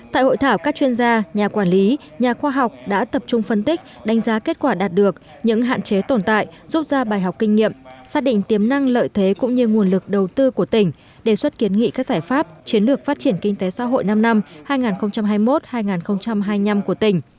tại hội thảo các chuyên gia nhà quản lý nhà khoa học đã tập trung phân tích đánh giá kết quả đạt được những hạn chế tồn tại giúp ra bài học kinh nghiệm xác định tiềm năng lợi thế cũng như nguồn lực đầu tư của tỉnh đề xuất kiến nghị các giải pháp chiến lược phát triển kinh tế xã hội năm năm hai nghìn hai mươi một hai nghìn hai mươi năm của tỉnh